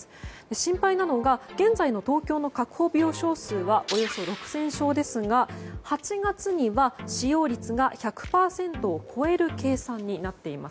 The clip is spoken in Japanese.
心配なのが現在の東京の確保病床数がおよそ６０００床ですが８月には使用率が１００％を超える計算になっています。